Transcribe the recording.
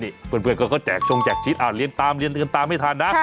นี่เพื่อนเขาก็แจกชงแจกชิดเรียนตามเรียนตามไม่ทันนะ